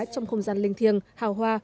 trong không gian linh thiêng hào hoa